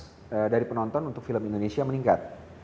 respon dari penonton untuk film indonesia meningkat